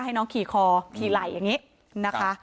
ให้น้องขี่คอขี่ไหล่อย่างนี้นะคะ